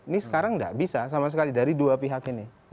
ini sekarang nggak bisa sama sekali dari dua pihak ini